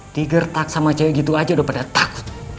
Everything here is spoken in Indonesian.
digertak sama cewek gitu aja udah pada takut